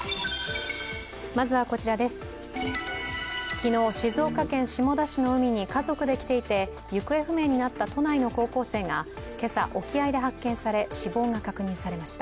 昨日、静岡県下田市の海に家族で来ていて行方不明になった都内の高校生が今朝沖合で発見され、死亡が確認されました。